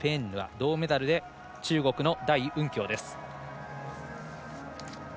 銅メダルで中国の代雲強です。